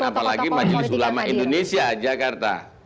apalagi majelis ulama indonesia jakarta